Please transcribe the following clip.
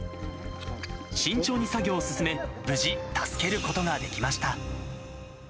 慎重に作業を進め、無事、助けることができました。